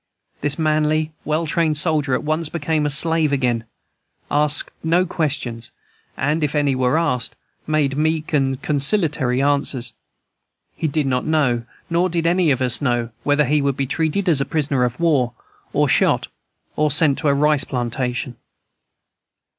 This manly, well trained soldier at once became a slave again, asked no questions, and, if any were asked, made meek and conciliatory answers. He did not know, nor did any of us know, whether he would be treated as a prisoner of war, or shot, or sent to a rice plantation.